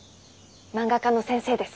漫画家の先生です。